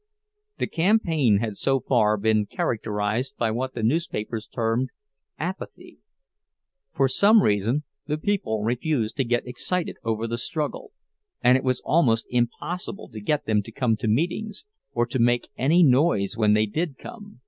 The campaign had so far been characterized by what the newspapers termed "apathy." For some reason the people refused to get excited over the struggle, and it was almost impossible to get them to come to meetings, or to make any noise when they did come.